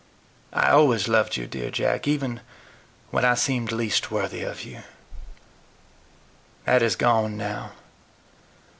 I always loved you, dear Jack, even when I seemed least worthy of you. That is gone now.